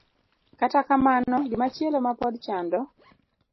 Kata kamano, gimachielo ma pod chando